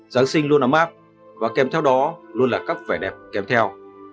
giáng sinh luôn ấm áp và kèm theo đó luôn là các vẻ đẹp kèm theo